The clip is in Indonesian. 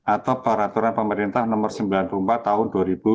atau peraturan pemerintah nomor sembilan puluh empat tahun dua ribu dua puluh